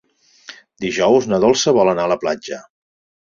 Dijous na Dolça vol anar a la platja.